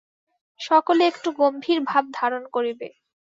সকলে একটু গম্ভীরভাব ধারণ করিবে।